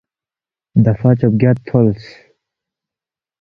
دفعہ چوبگیاد تُھولس